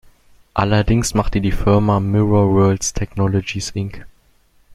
Allerdings machte die Firma "Mirror Worlds Technologies Inc.